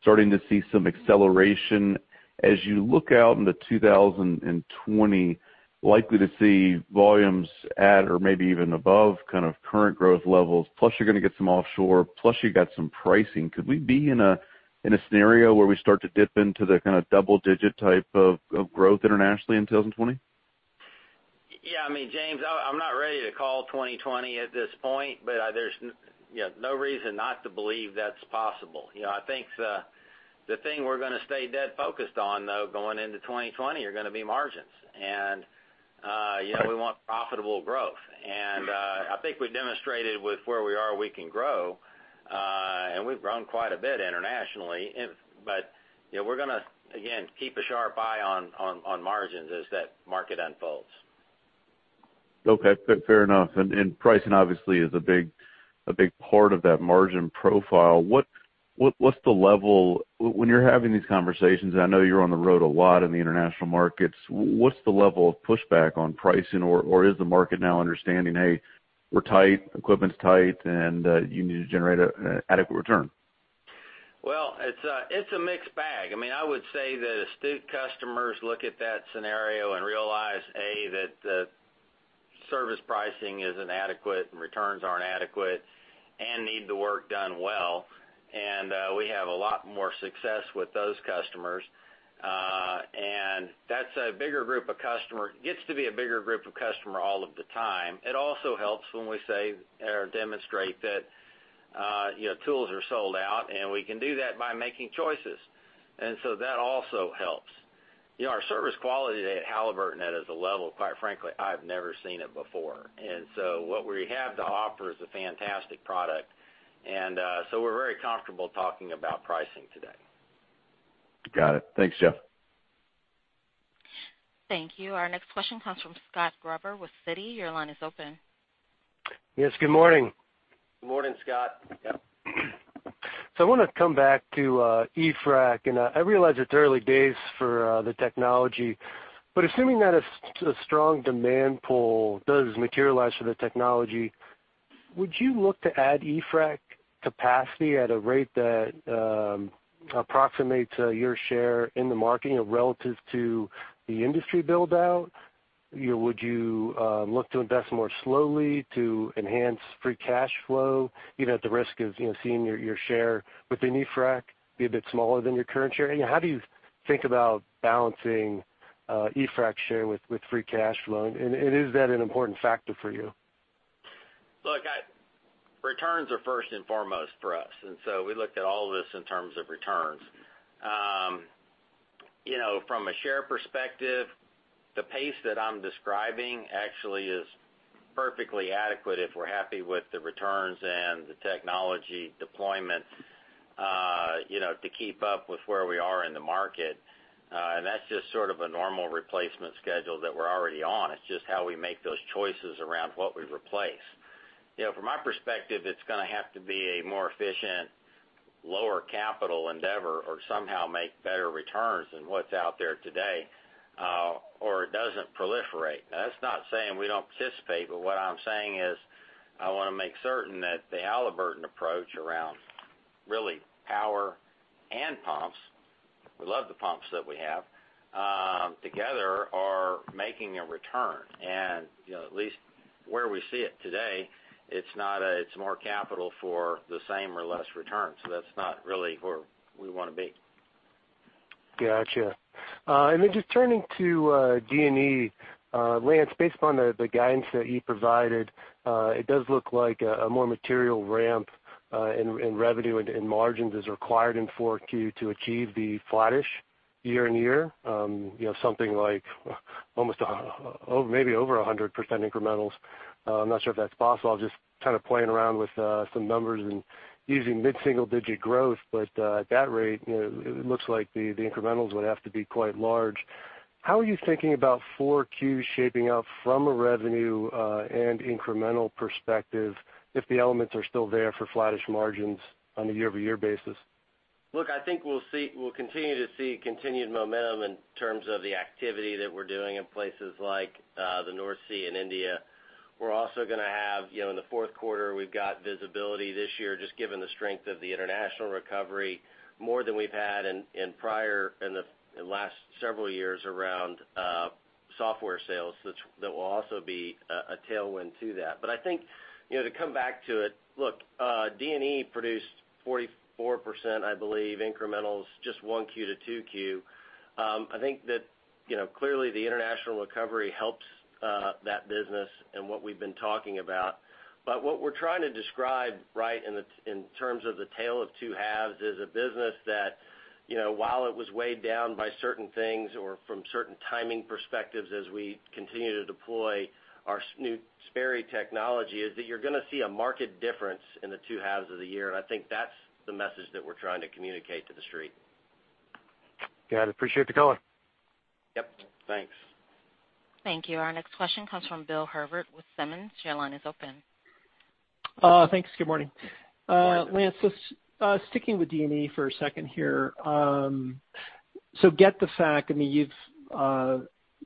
starting to see some acceleration. As you look out into 2020, likely to see volumes at or maybe even above kind of current growth levels, plus you're going to get some offshore, plus you got some pricing. Could we be in a scenario where we start to dip into the kind of double-digit type of growth internationally in 2020? Yeah. James, I'm not ready to call 2020 at this point. There's no reason not to believe that's possible. I think the thing we're going to stay dead focused on, though, going into 2020 are going to be margins. We want profitable growth. I think we demonstrated with where we are, we can grow, and we've grown quite a bit internationally. We're going to, again, keep a sharp eye on margins as that market unfolds. Okay. Fair enough. Pricing obviously is a big part of that margin profile. When you're having these conversations, and I know you're on the road a lot in the international markets, what's the level of pushback on pricing? Is the market now understanding, hey, we're tight, equipment's tight, and you need to generate adequate return? Well, it's a mixed bag. I would say that astute customers look at that scenario and realize, A, that the service pricing is inadequate and returns aren't adequate and need the work done well. We have a lot more success with those customers. That's a bigger group of customer. It gets to be a bigger group of customer all of the time. It also helps when we say or demonstrate that tools are sold out, and we can do that by making choices. That also helps. Our service quality at Halliburton is at a level, quite frankly, I've never seen it before. What we have to offer is a fantastic product. We're very comfortable talking about pricing today. Got it. Thanks, Jeff. Thank you. Our next question comes from Scott Gruber with Citi. Your line is open. Yes, good morning. Good morning, Scott. Yeah. I want to come back to eFrac, and I realize it's early days for the technology. Assuming that a strong demand pull does materialize for the technology, would you look to add eFrac capacity at a rate that approximates your share in the market relative to the industry build-out? Would you look to invest more slowly to enhance free cash flow, even at the risk of seeing your share within eFrac be a bit smaller than your current share? How do you think about balancing eFrac share with free cash flow? Is that an important factor for you? Look, returns are first and foremost for us. We look at all this in terms of returns. From a share perspective, the pace that I'm describing actually is perfectly adequate if we're happy with the returns and the technology deployment to keep up with where we are in the market. That's just sort of a normal replacement schedule that we're already on. It's just how we make those choices around what we replace. From my perspective, it's going to have to be a more efficient, lower capital endeavor or somehow make better returns than what's out there today, or it doesn't proliferate. That's not saying we don't participate. What I'm saying is I want to make certain that the Halliburton approach around really power and pumps, we love the pumps that we have, together are making a return. At least where we see it today, it's more capital for the same or less return. That's not really where we want to be. Got you. Just turning to D&E. Lance, based upon the guidance that you provided, it does look like a more material ramp in revenue and margins is required in 4Q to achieve the flattish year-on-year. Something like almost maybe over 100% incrementals. I'm not sure if that's possible. I'm just kind of playing around with some numbers and using mid-single-digit growth. At that rate, it looks like the incrementals would have to be quite large. How are you thinking about 4Q shaping up from a revenue and incremental perspective if the elements are still there for flattish margins on a year-over-year basis? Look, I think we'll continue to see continued momentum in terms of the activity that we're doing in places like the North Sea and India. We're also in the fourth quarter, we've got visibility this year, just given the strength of the international recovery, more than we've had in the last several years around software sales. That will also be a tailwind to that. I think to come back to it, look, D&E produced 44%, I believe, incrementals just 1Q to 2Q. I think that, clearly the international recovery helps that business and what we've been talking about. What we're trying to describe, right, in terms of the tale of two halves, is a business that, while it was weighed down by certain things or from certain timing perspectives as we continue to deploy our new Sperry technology, is that you're going to see a marked difference in the two halves of the year, and I think that's the message that we're trying to communicate to the street. Got it. Appreciate the color. Yep. Thanks. Thank you. Our next question comes from Bill Herbert with Simmons. Your line is open. Thanks. Good morning. Good morning. Lance, just sticking with D&E for a second here. Get the fact, you've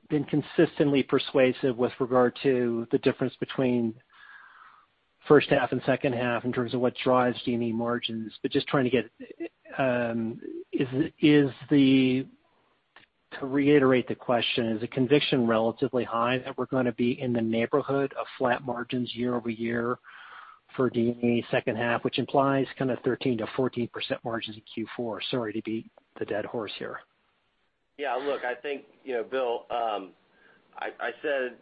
been consistently persuasive with regard to the difference between first half and second half in terms of what drives D&E margins. Just trying to get To reiterate the question, is the conviction relatively high that we're going to be in the neighborhood of flat margins year-over-year for D&E second half, which implies kind of 13%-14% margins in Q4? Sorry to beat the dead horse here. Yeah. Look, I think, Bill, I said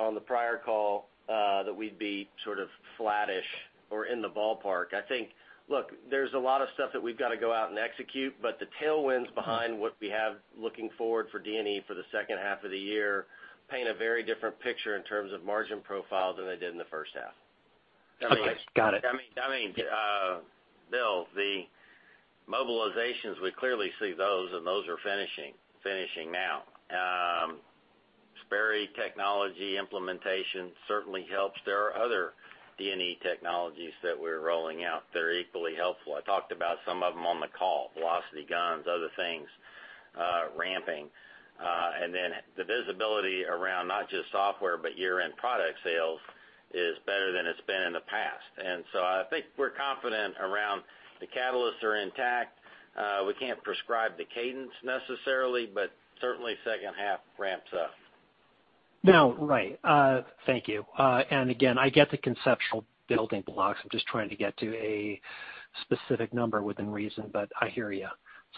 on the prior call that we'd be sort of flattish or in the ballpark. I think, look, there's a lot of stuff that we've got to go out and execute, but the tailwinds behind what we have looking forward for D&E for the second half of the year paint a very different picture in terms of margin profile than they did in the first half. Okay. Got it. Bill, the mobilizations, we clearly see those, and those are finishing now. Sperry technology implementation certainly helps. There are other D&E technologies that we're rolling out that are equally helpful. I talked about some of them on the call, Velocity guns, other things ramping. The visibility around not just software, but year-end product sales is better than it's been in the past. I think we're confident around the catalysts are intact. We can't prescribe the cadence necessarily, but certainly second half ramps up. No, right. Thank you. Again, I get the conceptual building blocks. I'm just trying to get to a specific number within reason, but I hear you.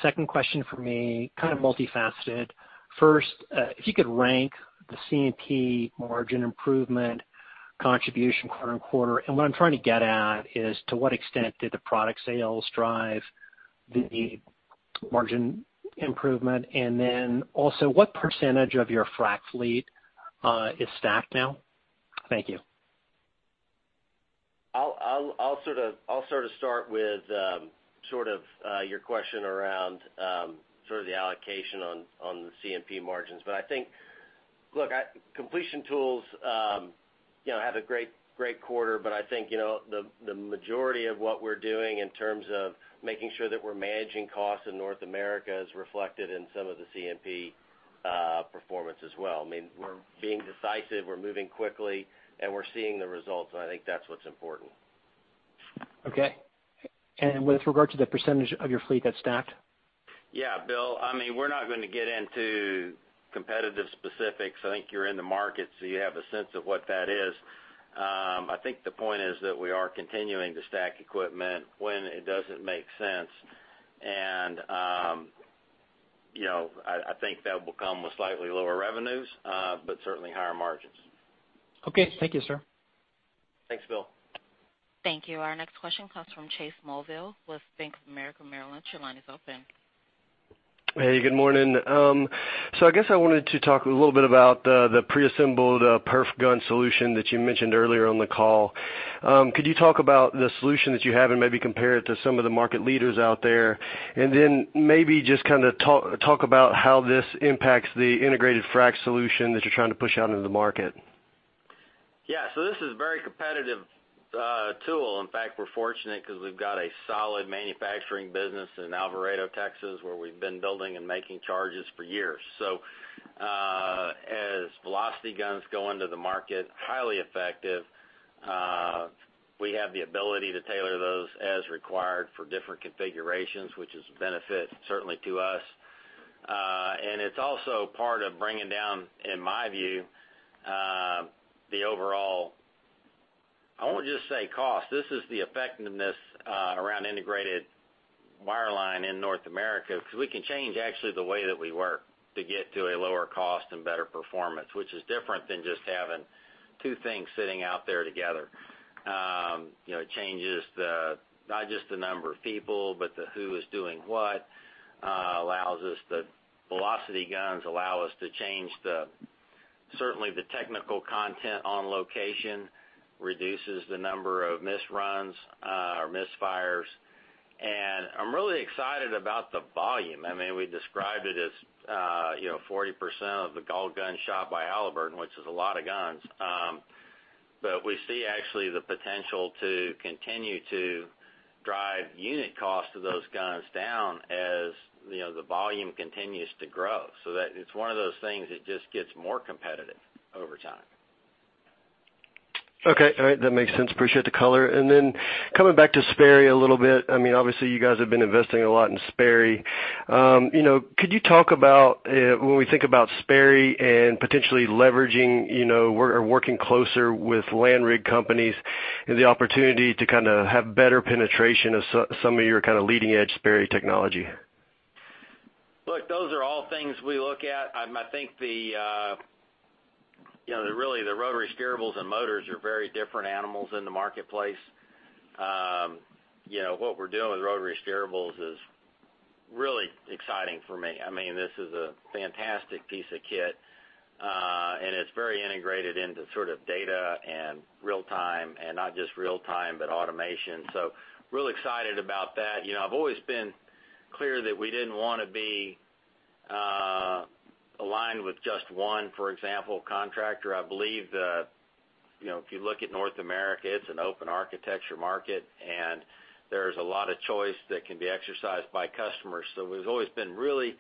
Second question for me, kind of multifaceted. First, if you could rank the C&P margin improvement contribution quarter-on-quarter. What I'm trying to get at is to what extent did the product sales drive the margin improvement, and then also what percentage of your frac fleet is stacked now? Thank you. I'll sort of start with your question around the allocation on the C&P margins. I think, completion tools had a great quarter, but I think, the majority of what we're doing in terms of making sure that we're managing costs in North America is reflected in some of the C&P performance as well. We're being decisive, we're moving quickly, we're seeing the results, I think that's what's important. Okay. With regard to the percentage of your fleet that's stacked? Yeah. Bill, we're not going to get into competitive specifics. I think you're in the market, so you have a sense of what that is. I think the point is that we are continuing to stack equipment when it doesn’t make sense. I think that will come with slightly lower revenues, but certainly higher margins. Okay. Thank you, sir. Thanks, Bill. Thank you. Our next question comes from Chase Mulvehill with Bank of America Merrill Lynch. Your line is open. Hey, good morning. I guess I wanted to talk a little bit about the preassembled perf gun solution that you mentioned earlier on the call. Could you talk about the solution that you have and maybe compare it to some of the market leaders out there? Maybe just kind of talk about how this impacts the integrated frac solution that you're trying to push out into the market. Yeah. This is a very competitive tool. In fact, we're fortunate because we've got a solid manufacturing business in Alvarado, Texas, where we've been building and making charges for years. As Velocity guns go into the market, highly effective. We have the ability to tailor those as required for different configurations, which is a benefit certainly to us. It's also part of bringing down, in my view, the overall, I won't just say cost. This is the effectiveness around integrated wireline in North America, because we can change actually the way that we work to get to a lower cost and better performance, which is different than just having two things sitting out there together. It changes not just the number of people, but the who is doing what. Velocity guns allow us to change certainly the technical content on location, reduces the number of misruns or misfires. I'm really excited about the volume. We described it as 40% of the goal gun shot by Halliburton, which is a lot of guns. We see actually the potential to continue to drive unit cost of those guns down as the volume continues to grow. That it's one of those things that just gets more competitive over time. Okay. All right. That makes sense. Appreciate the color. Coming back to Sperry a little bit. Obviously you guys have been investing a lot in Sperry. Could you talk about when we think about Sperry and potentially leveraging or working closer with land rig companies? the opportunity to kind of have better penetration of some of your leading-edge Sperry technology? Look, those are all things we look at. I think really, the rotary steerables and motors are very different animals in the marketplace. What we're doing with rotary steerables is really exciting for me. This is a fantastic piece of kit, and it's very integrated into data and real-time, and not just real-time, but automation. Really excited about that. I've always been clear that we didn't want to be aligned with just one, for example, contractor. I believe that if you look at North America, it's an open architecture market, and there's a lot of choice that can be exercised by customers. We've always been really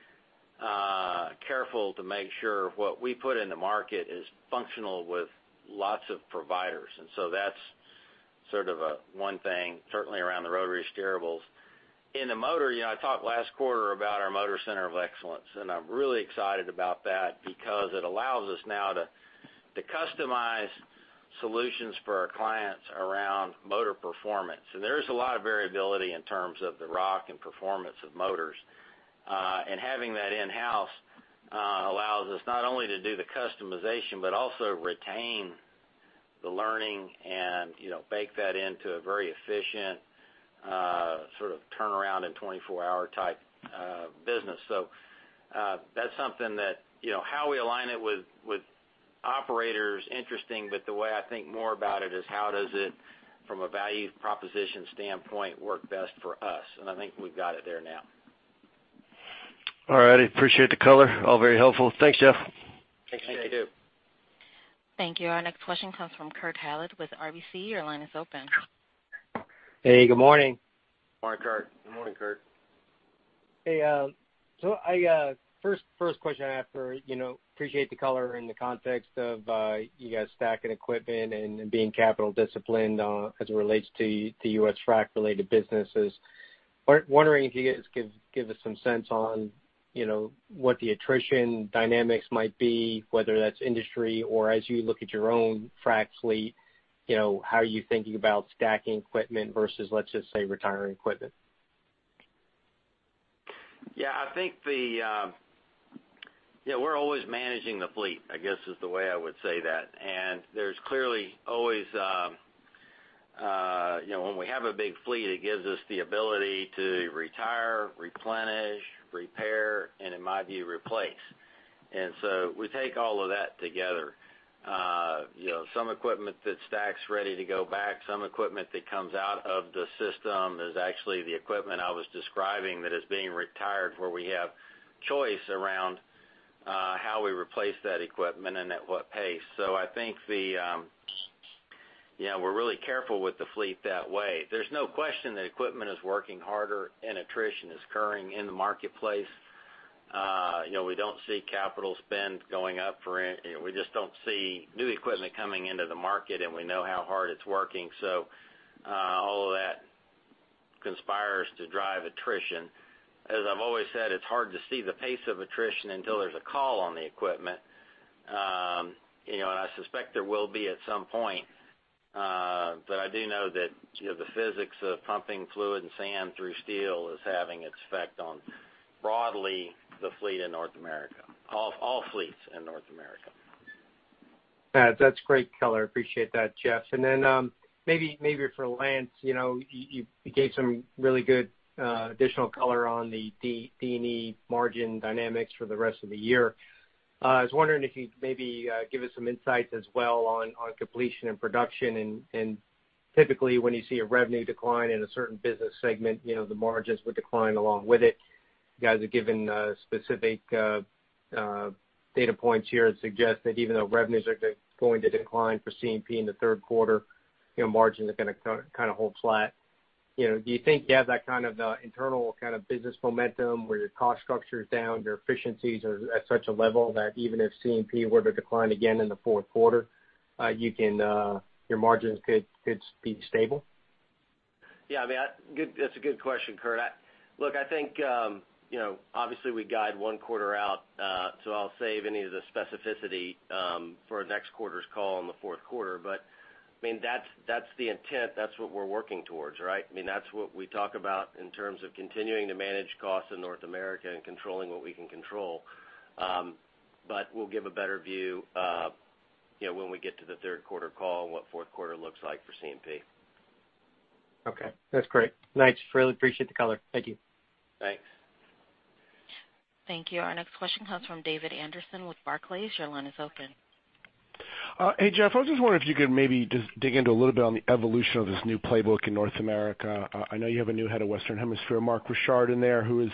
careful to make sure what we put in the market is functional with lots of providers. That's sort of one thing, certainly around the rotary steerables. In the motor, I talked last quarter about our motor center of excellence, and I'm really excited about that because it allows us now to customize solutions for our clients around motor performance. There is a lot of variability in terms of the rock and performance of motors. Having that in-house allows us not only to do the customization, but also retain the learning and bake that into a very efficient turnaround in 24-hour type business. That's something that how we align it with operators, interesting, but the way I think more about it is how does it, from a value proposition standpoint, work best for us? I think we've got it there now. All righty. Appreciate the color. All very helpful. Thanks, Jeff. Thanks, Chase. Thank you. Our next question comes from Kurt Hallead with RBC. Your line is open. Hey, good morning. Morning, Kurt. Good morning, Kurt. Hey. First question I have for you, appreciate the color in the context of you guys stacking equipment and being capital disciplined as it relates to U.S. frac-related businesses. Wondering if you guys could give us some sense on what the attrition dynamics might be, whether that's industry or as you look at your own frac fleet, how are you thinking about stacking equipment versus, let's just say, retiring equipment? Yeah, we're always managing the fleet, I guess is the way I would say that. There's clearly always when we have a big fleet, it gives us the ability to retire, replenish, repair, and in my view, replace. We take all of that together. Some equipment that stacks ready to go back, some equipment that comes out of the system is actually the equipment I was describing that is being retired, where we have choice around how we replace that equipment and at what pace. I think we're really careful with the fleet that way. There's no question that equipment is working harder and attrition is occurring in the marketplace. We don't see capital spend going up for it. We just don't see new equipment coming into the market, and we know how hard it's working. All of that conspires to drive attrition. As I've always said, it's hard to see the pace of attrition until there's a call on the equipment. I suspect there will be at some point. I do know that the physics of pumping fluid and sand through steel is having its effect on, broadly, the fleet in North America. All fleets in North America. That's great color. Appreciate that, Jeff. Maybe for Lance, you gave some really good additional color on the D&E margin dynamics for the rest of the year. I was wondering if you'd maybe give us some insights as well on Completion and Production. Typically, when you see a revenue decline in a certain business segment, the margins would decline along with it. You guys have given specific data points here that suggest that even though revenues are going to decline for C&P in the third quarter, margins are going to kind of hold flat. Do you think you have that kind of internal business momentum where your cost structure is down, your efficiencies are at such a level that even if C&P were to decline again in the fourth quarter, your margins could be stable? Yeah, that's a good question, Kurt. Look, I think, obviously, we guide one quarter out, so I'll save any of the specificity for next quarter's call in the fourth quarter. That's the intent. That's what we're working towards, right? That's what we talk about in terms of continuing to manage costs in North America and controlling what we can control. We'll give a better view when we get to the third quarter call, what fourth quarter looks like for C&P. Okay. That's great. Thanks. Really appreciate the color. Thank you. Thanks. Thank you. Our next question comes from David Anderson with Barclays. Your line is open. Hey, Jeff. I was just wondering if you could maybe just dig into a little bit on the evolution of this new playbook in North America. I know you have a new head of Western Hemisphere, Mark Richard, in there, who has,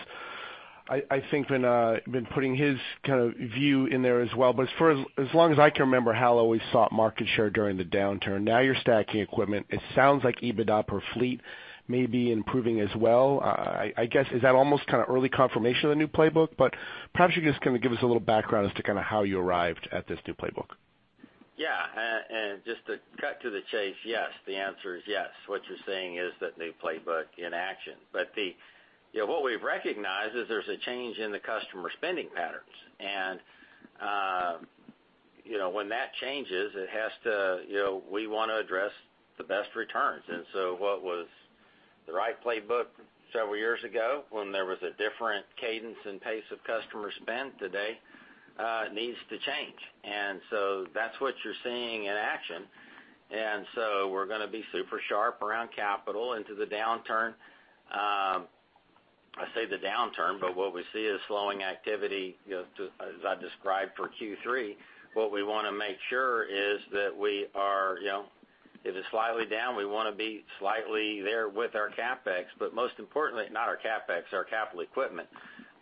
I think, been putting his kind of view in there as well. As long as I can remember, Hall always sought market share during the downturn. Now you're stacking equipment. It sounds like EBITDA per fleet may be improving as well. I guess, is that almost kind of early confirmation of the new playbook? Perhaps you can just give us a little background as to how you arrived at this new playbook. Yeah. Just to cut to the chase, yes. The answer is yes. What you're seeing is that new playbook in action. What we've recognized is there's a change in the customer spending patterns. When that changes, we want to address the best returns. What was the right playbook several years ago when there was a different cadence and pace of customer spend today needs to change. That's what you're seeing in action. We're going to be super sharp around capital into the downturn. I say the downturn, but what we see is slowing activity, as I described for Q3. What we want to make sure is that if it's slightly down, we want to be slightly there with our CapEx. Most importantly, not our CapEx, our capital equipment.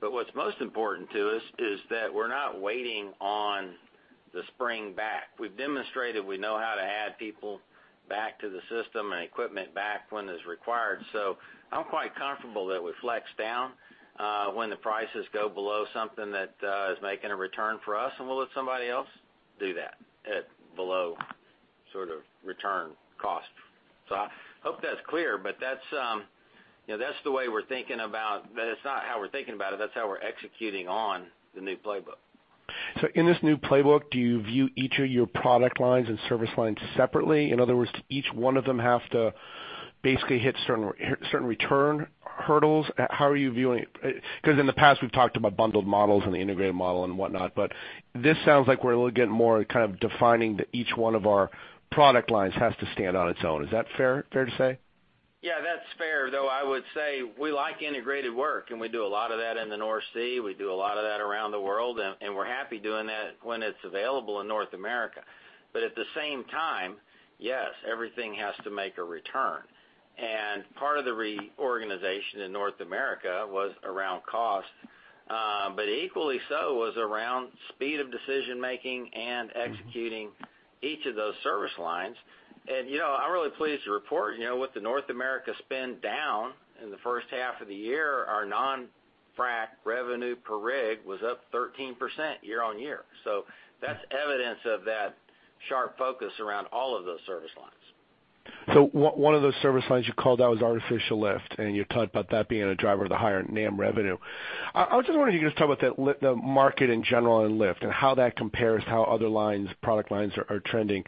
What's most important to us is that we're not waiting on the spring back. We've demonstrated we know how to add people back to the system and equipment back when it's required. I'm quite comfortable that we flex down, when the prices go below something that is making a return for us, and we'll let somebody else do that at below sort of return cost. I hope that's clear, but that's not how we're thinking about it, that's how we're executing on the new playbook. In this new playbook, do you view each of your product lines and service lines separately? In other words, each one of them have to basically hit certain return hurdles. How are you viewing it? In the past, we've talked about bundled models and the integrated model and whatnot, but this sounds like we're getting more kind of defining that each one of our product lines has to stand on its own. Is that fair to say? Yeah, that's fair. I would say we like integrated work, and we do a lot of that in the North Sea. We do a lot of that around the world, and we're happy doing that when it's available in North America. At the same time, yes, everything has to make a return. Part of the reorganization in North America was around cost. Equally so was around speed of decision-making and executing each of those service lines. I'm really pleased to report, with the North America spend down in the first half of the year, our non-frac revenue per rig was up 13% year-on-year. That's evidence of that sharp focus around all of those service lines. One of those service lines you called out was artificial lift, and you talked about that being a driver of the higher NAM revenue. I was just wondering if you could just talk about the market in general and lift and how that compares how other lines, product lines are trending.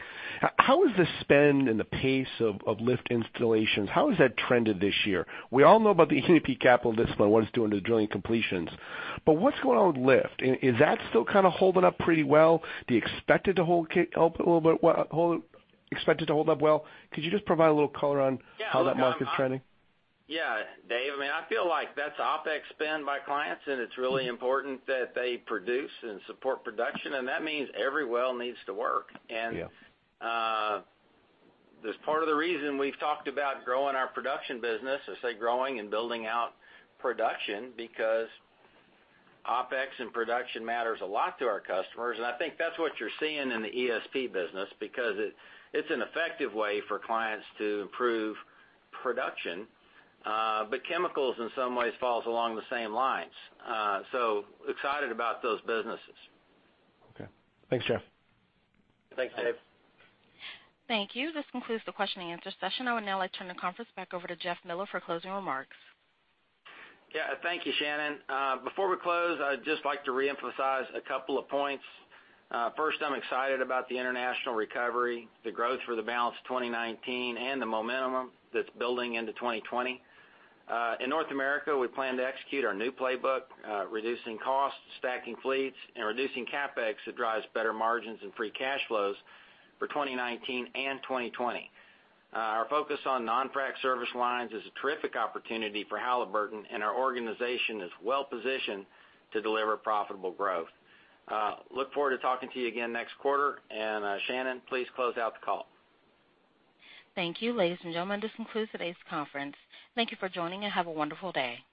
How has the spend and the pace of lift installations, how has that trended this year? We all know about the E&P capital discipline, what it's doing to the drilling completions. What's going on with lift? Is that still kind of holding up pretty well? Do you expect it to hold up well? Could you just provide a little color on how that market's trending? Yeah, Dave. I feel like that's OpEx spend by clients, and it's really important that they produce and support production, and that means every well needs to work. Yeah. That's part of the reason we've talked about growing our production business, I say growing and building out production because OpEx and production matters a lot to our customers, and I think that's what you're seeing in the ESP business because it's an effective way for clients to improve production. Chemicals, in some ways, falls along the same lines. Excited about those businesses. Okay. Thanks, Jeff. Thanks, Dave. Thank you. This concludes the question and answer session. I would now like to turn the conference back over to Jeff Miller for closing remarks. Thank you, Shannon. Before we close, I'd just like to reemphasize a couple of points. First, I'm excited about the international recovery, the growth for the balance of 2019, and the momentum that's building into 2020. In North America, we plan to execute our new playbook, reducing costs, stacking fleets, and reducing CapEx that drives better margins and free cash flows for 2019 and 2020. Our focus on non-frac service lines is a terrific opportunity for Halliburton, our organization is well-positioned to deliver profitable growth. Look forward to talking to you again next quarter. Shannon, please close out the call. Thank you. Ladies and gentlemen, this concludes today's conference. Thank you for joining, and have a wonderful day.